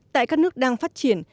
tại các nước đang phát triển